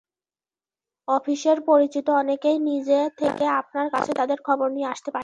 অফিসের পরিচিত অনেকেই নিজে থেকে আপনার কাছে তাঁদের খবর নিয়ে আসতে পারেন।